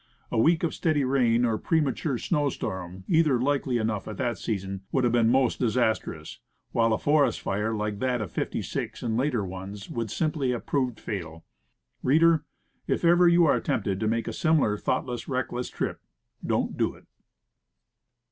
A week of steady rain or a premature snow storm either likely enough at that season would have been most disastrous; while a forest fire like that of '56, and later ones, would simply have proved fatal. Reader, if ever you are tempted to make a similar thoughtless, reckless trip don't do it.